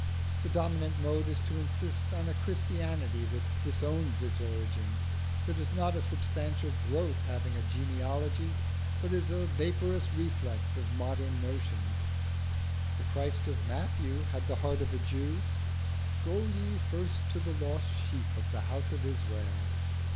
The dominant mode is to insist on a Christianity that disowns its origin, that is not a substantial growth having a genealogy, but is a vaporous reflex of modern notions. The Christ of Matthew had the heart of a Jew "Go ye first to the lost sheep of the house of Israel."